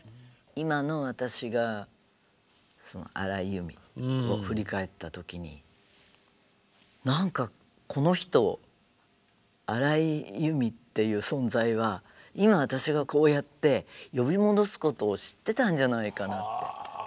今の私が荒井由実を振り返った時に何かこの人荒井由実っていう存在は今私がこうやって呼び戻すことを知ってたんじゃないかなって。